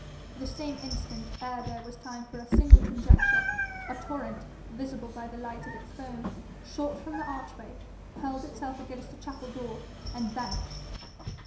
The same instant, ere there was time for a single conjecture, a torrent, visible by the light of its foam, shot from the archway, hurled itself against the chapel door, and vanished.